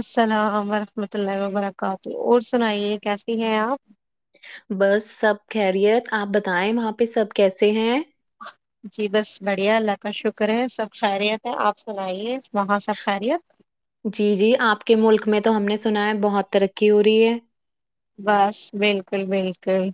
السلام ورحمۃ اللہ وبرکاتہ اور سنائیے کیسی ہیں آپ بس سب خیریت آپ بتائیں وہاں پہ سب کیسے ہیں جی بس بڑھیا اللہ کا شکر ہے سب خیریت ہے آپ سنائیے وہاں سب خیریت جی جی آپ کے ملک میں تو ہم نے سنا ہے بہت ترقی ہو رہی ہے بس بالکل بالکل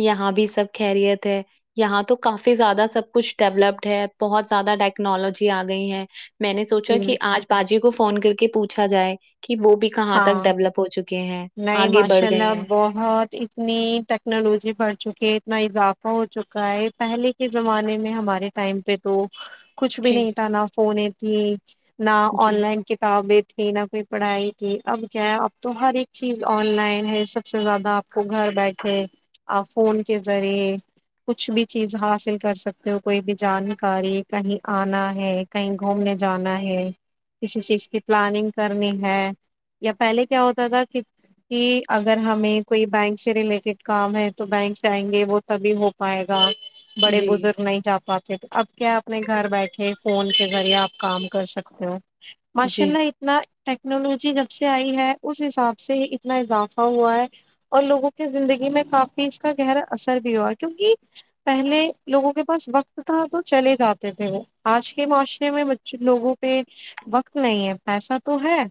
یہاں بھی سب خیریت ہے یہاں تو کافی زیادہ سب کچھ ڈیولپڈ ہے بہت زیادہ ٹیکنالوجی آ گئی ہے میں نے سوچا جی کہ آج باجی کو فون کر کے پوچھا جائے کہ وہ بھی کہاں تک ہاں ڈیولپ ہو چکی ہیں نہیں آگے بڑھ ماشاء گئے اللہ ہیں بہت اتنی ٹیکنالوجی بڑھ چکی ہے اتنا اضافہ ہو چکا ہے پہلے اس زمانے میں ہمارے ٹائم پہ تو کچھ بھی جی نہیں تھا نہا فوننے تھی نہ آن جی لائن کتابیں تھی نہ کوئی پڑھائی تھی اب کیا ہے اب تو ہر ایک چیز آن لائن ہے سب سے زیادہ آپ کو گھر بیٹھے آ فون کے ذریعے کچھ بھی چیز حاصل کر سکتے ہو کوئی بھی جانکاری کہیں آنا ہے کہیں گھومنے جانا ہے کسی چیز کی پلاننگ کرنی ہے یا پہلے کیا ہوتا تھا کہ کہ اگر ہمیں کوئی بینک سے ریلیٹڈ کام ہے تو بینک جائیں گے وہ تبھی ہو پائے گا بڑے جی بزرگ نہیں جا پاتے اب کیا اپنے گھر بیٹھے فون کے ذریعہ آ کام کر سکتے ہو ماشاء جی اللہ اتنا ٹیکنالوجی جب سے آئی ہے اس حساب سے سے اتنا اضافہ ہوا ہے اور لوگوں کے زندگی میں کافی اس کا گہرا اثر بھی ہوا کیونکہ پہلے لوگوں کے پاس وقت تھا تو چلے جاتے تھے وہ آج کے معاشرے میں کچھ لوگوں پہ وقت نہیں ہے پیسہ تو ہے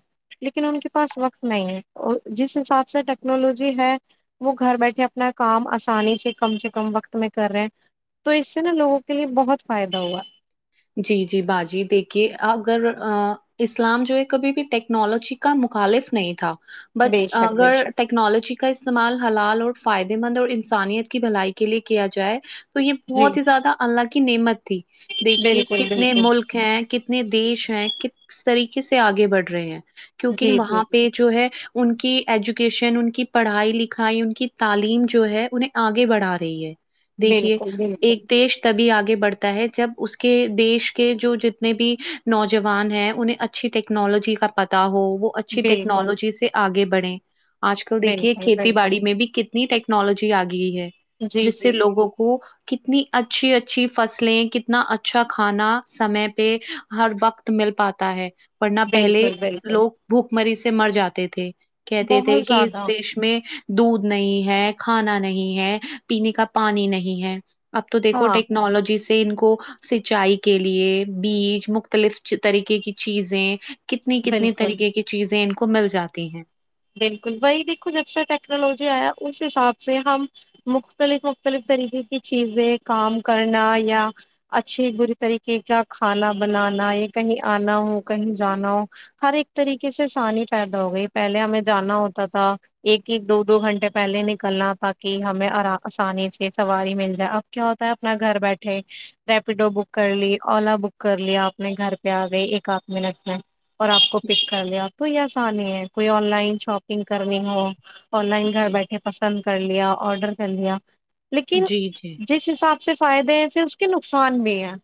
لیکن ان کے پاس وقت نہیں ہے اور جس حساب سے ٹیکنالوجی ہے وہ گھر بیٹھے اپنا کام آسانی سے کم سے کم وقت میں کر رہے ہیں تو اس سے نا لوگوں کے لیے بہت فائدہ ہوا جی جی باجی دیکھیے اگر اسلام جو ہے کبھی بھی ٹیکنالوجی کا مخالف نہیں تھا بٹ بے شک بے اگر ٹیک شک ٹیکنالوجی کا استعمال حلال اور فائدے مند اور انسانیت کی بھلائی کے لیے کیا جائے تو یہ جی بہت ہی زیادہ اللہ کی نعمت تھی دیک بالکل بالکل ملک ہیں کتنے دیش ہیں کس طریقے سے آگے بڑھ رہے ہیں کیونکہ جی جی وہاں پہ جو ہے ان کی ایجوکیشن ان کی پڑھائی لکھائی ان کی تعلیم جو ہے انہیں آگے بڑھا رہی ہے دیکھیے بالکل بالکل ایک دیش تبھی آگے بڑھتا ہے جب اس کہ دیش کے جو جتنے بھی نوجوان ہیں انہیں اچھی ٹیکنالوجی کا پتا ہو وہ اچھی بالکل ٹیکنالوجی سے آگے بڑے آج کل دیکھیے بالکل کھیتی بالکل باڑی میں بھی کتنے کتنی ٹیکنالوجی آ گئی ہے جی جس سے جی جی لوگوں کو وہ کتنی اچھی اچھی فصلیں کتنا ا اچھا کھانا سمے پہ ہر وقت مل پاتا ہے ورنہ پہلے بالکل بالکل لوگ بھوک مری سے مر جاتے تھے کہتے تھے بہت کہ اس زیادہ دیش میں دودھ نہیں ہے کھانا نہیں ہے پینے کا پانی نہیں ہے اب تو دیکھو ہاں ٹیکنالوجی سے ان کو سچائی کے لیے بیج مختلف طریقے کی چیزیں کتنی کتنی بالکل طریقے کی چیزیں ان کو مل جاتی ہیں بالکل وہی دیکھو جب سے ٹیکنالوجی آیا اس حساب سے ہم مختلف مختلف طریقے کی چیزیں کام کرنا یا اچھے برے طریقے کا کھانا بنانا یا کہیں آنا ہو کہیں جانا ہو ہر ایک طریقے سے آسانی پیدا ہو گئی پہلے ہمیں جانا ہوتا تھا ایک ایک دو دو گھنٹے پہلے نکلنا تاکہ ہمیںر آسانی سے سواری مل جائے کیا ہوتا ہے اپنا گھر بیٹھے ریپیڈو بک کر لی اولا بک کر لی آپنے گھر پہ آ گئی ایک آھ منٹ میں اور آپ کو پک کر لیا آپ تو یہ آسانی ہے کوئی آن لائن شاپنگ کرنی ہو آن لائن گھر جی بیٹھے پسند کر لیا آڈر کر لیا لیکن جی جی جس حساب سے فائدے ہیں پھر اس کے نقصان بھی ہیں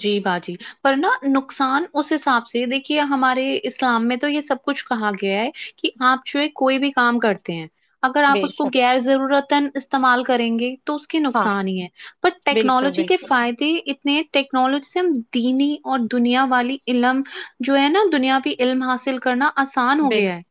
جی باجی پر نا نقصان اس حساب سے دیکھیے ہمارے اسلام میں تو یہ سب کچھ کہا گیا ہے کہ آپ جو ہے کوئی بھی کام کرتے ہیں اگر آپ بے اس کو شک غیر ضرورتن استعمال کریں گے اس کے ہاں نقصان ہی ہے پر بالکل ٹیکنالوجی کے بالکل فائدے اتنے ٹیکنالوجی سے ہم دینی اور دنیا والی علم جو ہے نا دنیاوی علم حاصل کرنا آسان ہو بال گیا ہے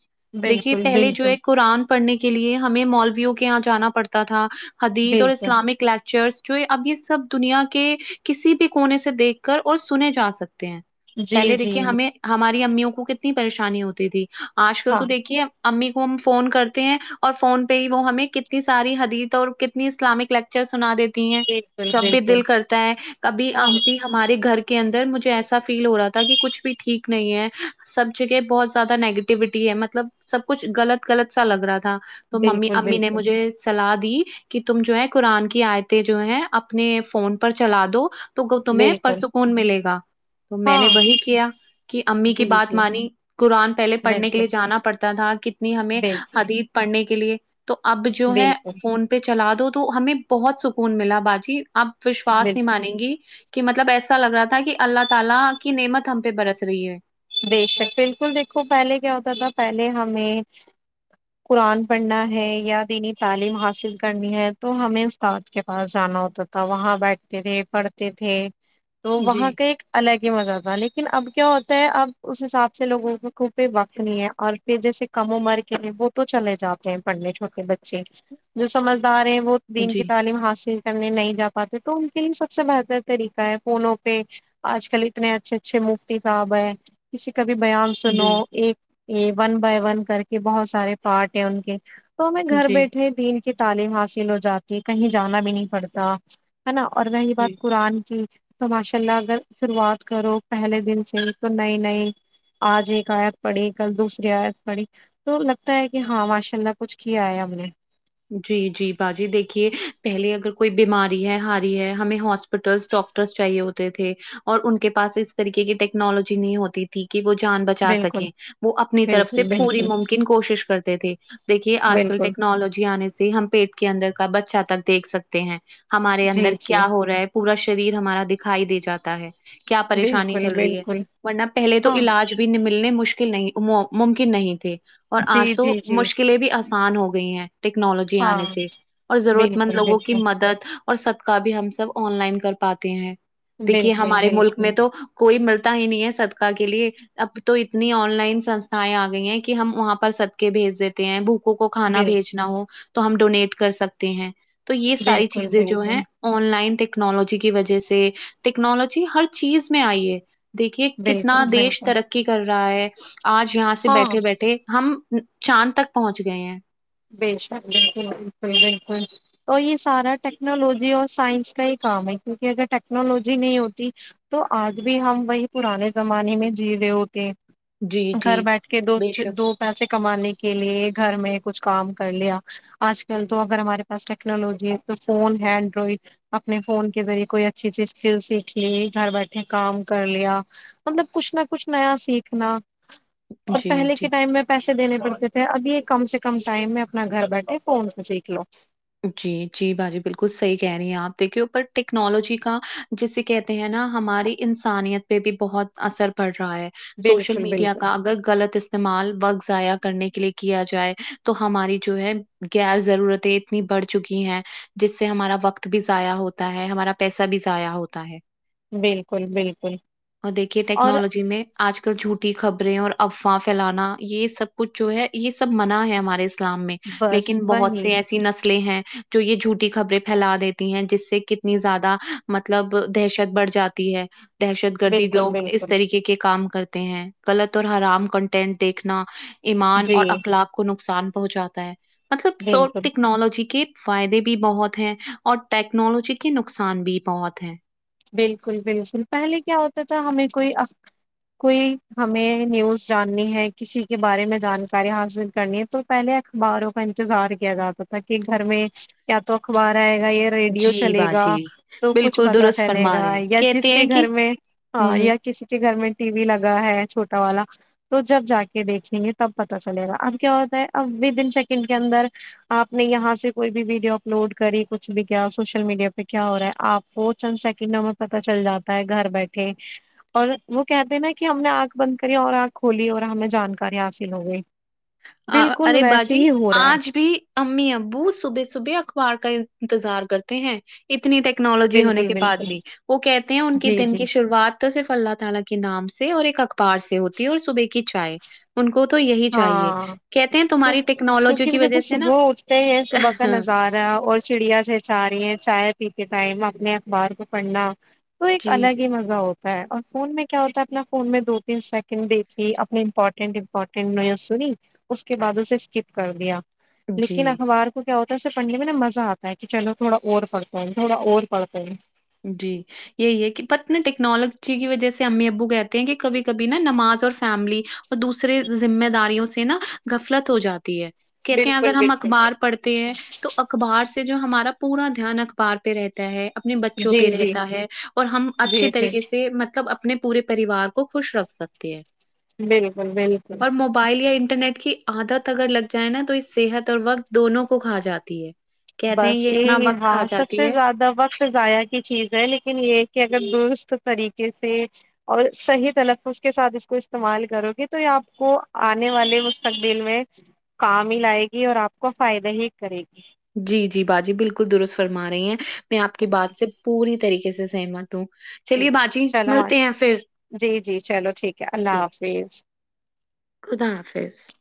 دیکھیے بالکل پہلے جو بالکل ہے قرآن پڑھنے کے لیے ہمیں مالویو کے یہاں جانا پڑتا تھا حدیید اور بالکل اسلامک لیکچرس جو اب یہ سب دنیا کے کسی بھی کونے سے دیکھ کر اور سنے جا سکتے ہیں جی پہلے جی دیکھیے ہمیں ہماری امیوں کو کتنی پریشانی ہوتی تھی آج کل تو ہاں دیکھیے امی کو ہم فون کرتے ہیں اور فون پہ ہی وہ ہمیں کتنی ساری حدیت اور کتنی اسلامک لک چرس سنا دیتی ہیں بالکل جب بھی دل بالکل کرتا ہے کبھی آ ہاں ہمارے گھر کے اندر مجھے ایسا فیل ہو رہا تھا کہ کچھ بھی ٹھیک نہیں ہے سب جگہ بہت زیادہ نیگیٹیوٹی ہے مطلب سب کچھ غلط غلط سا لگ رہا تھا تو ممی بالکل امی نے بالکل مجھے سلاح دی کہ تم جو ہے قرآن کی آیتیں جو ہے اپنے فون پر چلا دو تو تمہیں بالکل پرسکون ملے گا تو میں نے ہاں وہی کیا کہ امی کی جی بات جی مانی قرآن پہلے پڑھنے کے بالکل لیے جانا پڑتا تھا کتنی ہمیں بالکل حدیید پڑھنے کے لیے تو اب جو ہے بالکل فون پہ چلا دو تو ہمیں بہت سکون ملا باجی اپ وشواس نہیں بالکل مانیں گی کہ مطلب ایسا لگ رہا تھا کہ اللہ تعالی کی نعمت ہم پہ برس رہی ہے بےشک بالکل دیکھو پہلے کیا ہوتا تھا پہلے ہمیں قرآن پڑھنا ہے یا دینی تعلیم حاصل کرنی ہے تو ہمیں استاد کے پاس جانا ہوتا تھا تو وہاں بیٹھتے تھے پڑھتے تھے تو وہاں جی کا ایک الگ ہی مزہ تھا لیکن اب کیا ہوتا ہے اب اس حساب سے لوگوں کو پہ وقت نہیں ہے اور پھر جیسے کم عمر کے ہیں وہ تو چلے جاتے ہیں پڑھنے چھوٹے بچے جو سمجھدار ہیں وہ دین کی جی تعلیم حاصل کرنے نہیں جا پاتے تو ان کے لیے سب سے بہتر طریقہ ہے فونوں پہ آج کل اتنے اچھے اچھے مفتی صاحب ہیں کسی کا بھی بیان سنو جی ایک یہ ون بائی ون کر کے بہت سارے پارٹ ہیں ان کے تو ہمیں گھر جی بیٹھے دین کی تعلیم حاصل ہو جاتی کہیں جانا بھی نہیں پڑتا ہے نا اور رہی جی بات قرآن کی تو ماشاء اللہ اگر شروعات کرو پہلے دن سے تو نئی نہیں آج ایک آیت پڑی کل دوسری آیت پڑی تو لگتا ہے کی ہاں ماشاء اللہ کچھ کیا ہے ہم نے جی جی باجی دیکھیے پہلے اگر کوئی بیماری ہے ہاری ہے ہمیں ہاسپ ہسپٹلس ڈاکٹرس چاہیے ہوتے تھے اور ان کے پاس اس طریقے کی ٹیکنالوجی نہیں ہوتی تھی کی وہ جان بچ جا بالکل سکیں وہ اپنی طرف سے بالکل پوری بالکل ممکن کوشش کرتے تھے دیکھیے آج کل بالکل ٹیکنالوجی آنے سے ہم پیٹ کے اندر کا بچہ تک دیکھ سکتے ہیں ہمارے جی اندر جی کیا ہو رہا ہے پورا شریر ہمارا دکھائی دے جاتا ہے کیا پریشانی بالکل چل رہی ہے بالکل ورنہ پہلے تو ہاں علاج ملنے مشکل نہیں ممکن نہیں تھے اور جی آج تو جی جی مشکلیں بھی آس آسان ہو گئی ہیں ٹیکنالوجی ہاں آنے سے اور ضرورت مند بالکل لوگوں کی بالکل مدد اور سدقا بھی ہم سب آن لائن کر پاتے ہیں دیکھیے بالکل ہمارے ملک بالکل میں تو کوئی ملتا ہی نہیں ہے صدکا کے لیے اب تو اتنی آن لائن سستھائیں آ گئی ہیں کی ہم وہاں پر سدکے بھیج دیتے تے ہیں بھوکوں کو کھانا بال بھیجنا ہو تو ہم ڈونیٹ کر سک تے ہیں تو یے ساری بالکل چیزیں جو بالکل ہیں آن لائن ٹیکنالوجی کی وجہ سے ٹیکنالوجی ہر چیز میں آئی ہے دیکھیے کتنا بالکل دیش بالکل ترقی کر رہا ہے آج یہاں سے ہاں بیٹھے بیٹھے ہم چاند تک پہنچ گئے ہیں بے شک بالکل بالکل بالکل تو یے سارا ٹیکنالوجی اور سائنس کا ہی کام ہے کیونکہ اگر ٹیکنالوجی نہیں ہوتی تو آج بھی ہم وہی پرانے زمانے میں جی رہے ہوتے جی گھر جی بیٹھ کے دو بے شک دو پیسے کمانے کے لیے گھر میں کچھ کام کر لیا آج کل تو اگر ہمارے پاس ٹیکنالوجی ہے تو فون اینڈرائڈ اپنے فون کے ذریعے کوئی اچھی اچھی اسکل سیکھ لی گھر بیٹھے کام کر لیا مطلب کچھ نہ کچھ نیا سیکھنا اور جی پہلے کے جی ٹائم میں پیسے دینے پڑتے تھے اب یے کم سے کم ٹائم میں اپنا گھر بیٹھے فون سے سیکھ لو جی جی با جی بالکل صحی کہہ رہی ہیں آپ دیکھیے پر ٹیکنالوجی کا جسے کہتے ہیں نا ہماری انسانیت پے بھی بہت اثر پڑ رہا ہے سوشل بالکل میڈیا بالکل کا اگر غلط استعمال وقت ضائع کرنے کے لیے کیا جائے تو ہماری جو ہے غیر ضرورتے اتنی بڑھ چکی ہے جس سے ہمارا وقت بھی ضائع ہوتا ہے ہمارا پیسہ بھی ضائع ہوتا ہے بالکل بالکل اور دیکھیے اور ٹیکنالوجی میں آج کل جھوٹی خبریں اور افواہ فییلانا یے سب کچھ جو ہے یے سب منع ہے ہمارے اسلام میں بس لیکن بہت وہی سے ایسی نسل ہیں جو یے جھوٹی خبریں پھیلا دیتی ہیں جس سے کتنی زیادہ مطلب دہشت بڑھ جاتی تی ہے دہشت گردی بالکل لوگ اس بالکل طریقے کے کام کرتے ہیں غلط اور حرام کنٹینٹ دیکھنا ایمان جی اور اخلاق کو نقصان پہنچاتا ہے مطلب سو بالکل ٹیکنالوجی کے فائدے بھی بہت ہیں اور ٹیکنالوجی کے نقصان بھی بہت ہیں بالکل بالکل پہلے کیا ہوتا تھا ہمیں کوئی کوئی ہمیں نیوز جاننی ہے کسی کے بارے میں جانکاری حاصل کرنی ہے تو پہلے اخباروں کا انتظار کیا جاتا تھا کہ گھر میں کیا تو اخبار آئے گا یہ ریڈیو جی چلے گا باجی تو کچھ بالکل پتا درست چلے فرما رہے گا ہیں یا جس کہتے کے ہیں کہ گھر میں ہاں ہوں یا کسی کے گھر میں ٹی وی لگا ہے چھوٹا والا تو جب جا کے دیکھیں گے تب پتا چلے گا اب کیا ہوتا ہے اب ودن سیکنڈ کے اندر آپ نے یہاں سے کوئی بھی ویڈیو اپلوڈ کری کچھ بھی کیا سوشل میڈیا پے کیا ہو رہا ہے آپ کو چند سیکنڈوں میں پتہ چل جاتا ہے گھر بیٹھے اور وہ کہتے ہیں نا کہ ہم نے آنکھ بند کری اور آنکھ کھولی اور ہمیں جانکاری حاصل ہو گئی آ بالکل ارے ویسے باجی ہی ہو رہا ہے آج بھی امی ابو صبح صبح اخبار کا انتظار کرتے ہیں اتنی ٹیکنالوجی ہونے بالکل کے بعد بالکل بھی وہ کہتے ہیں ان کے جی دن جی کی شروعات تو صرف اللہ تعالی کے نام سے اور ایک اخبار سے ہوتی ہے اور صبح کی چائے ان کو تو یہی چاہیے ہاں کہتے ہیں تمہاری ٹیکنالوجی کیونکہ وہ کی جب وہ وجہ سے نا صبح اٹھتے ہیں صبح کا نظارہ ا اور چڑیا چچا رہی ہیں چائے پیتے ٹائم اپنے اخبار کو پڑھنا تو ایک جی الگ ہی مزہ ہوتا اور فون میں کیا ہوتا ہے اپنا فون میں دو تین سیکنڈ دیکے اپنے امپورٹینٹ امپٹ سنی اس کے بعد اسے اسکپ کر دیا لیکن جی اخبار کیا ہوتا ہے اسے پڑھنے میں نا مزہ آتا ہے کہ چلو تھوڑا اور پڑھتے ہیں تھوڑا اور پڑھتے ہیں جی یہی ہے کہ بٹ نا ٹیکنالوجی کی وجہ سے امی ابو کہتے ہیں کہ کبھی کبھی نا نماز اور فیملی اور دوسرے ذمہ داریوں سے نا گفلت ہو جاتی ہے کہتے ہیں اگر بالکل ہم بالکل اخبار بالکل پڑھتے ہیں تو اخبار سے جو ہمارا پورا دھیان اخبار پہ رہتا ہے اپنے با بوں جی پہ جی رہتا ہے اور ہم اچھے جی جی طریقے سے سے مطلب اپنے پورے پریوار کو خوش رکھ سکتے ہیں بالکل بالکل فائل یا انٹرنیٹ کی عادت اگر لگ جائے نا تو اس صحت اور وقت دونوں کو کھا جاتی ہے کہتے ہیں بس یہ اتنا یہی وقت کھا ہاں سب جاتی سے ہے زیادہ وقت ضائع کی چیز ہے لیکن یہ کہ اگر درست طریقے سے اور صحیح تلفظ کے ساتھ اس کو استعمال کرو گے تو یہ آپ کو آنے والے مستقبل میں کام ہی لائے گی اور آپ کو فائدہ ہی کرے گی جی جی باجی بالکل درست فرما رہی ہیں میں آپ کی بات سے پوری طریقے سے سہمت ہوں جی چلیے باجی چلو ملتے ماش ہیں پھر، جی جی چلو ٹھیک ہے اللہ جی، حافظ خدا حافظ